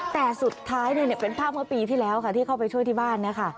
แต่สุดท้ายเป็นภาพเมื่อปีที่แล้วค่ะที่เข้าไปช่วยที่บ้านนะคะ